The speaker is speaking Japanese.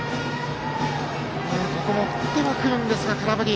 ここも振ってはくるんですが空振り。